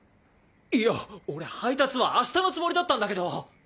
・いや俺配達は明日のつもりだったんだけど！